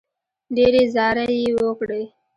ډېرې زارۍ یې وکړې.